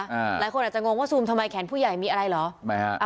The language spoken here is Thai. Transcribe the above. หลายคนอาจจะงงว่าซูมทำไมแขนผู้ใหญ่มีอะไรเหรอทำไมฮะ